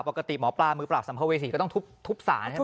ปกติหมอปลามือปราบสัมภเวษีก็ต้องทุบสารใช่ไหม